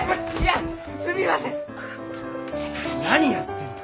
何やってんだ？